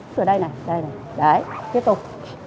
từ đây này đây này đấy tiếp tục